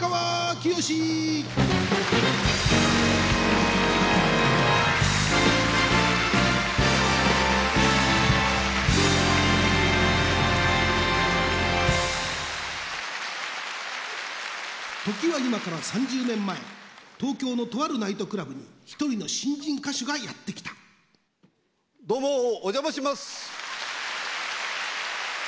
清時は今から３０年前東京のとあるナイトクラブに一人の新人歌手がやって来たどうもお邪魔します。